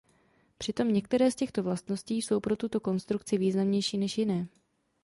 Přitom některé z těchto vlastností jsou pro tuto konstrukci významnější než jiné.